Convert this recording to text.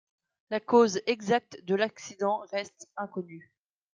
La cause exacte de l'accident reste inconnue.